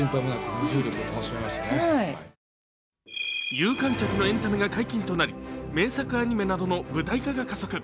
有観客のエンタメが解禁となり名作アニメなどの舞台化が加速。